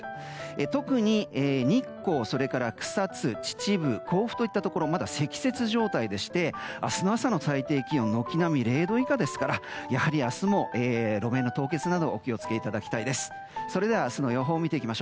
特に日光、それから草津秩父、甲府といったところまだ積雪状態でして明日朝の最低気温は軒並み０度以下ですからやはり、明日も路面の凍結などお気を付けいただきたいです。